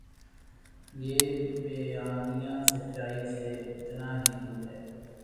یہ بیانیہ سچائی سے اتنا ہی دور ہے۔